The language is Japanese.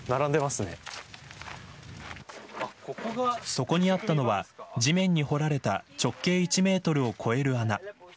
そこにあったのは地面に掘られた直径１メートルを超える穴。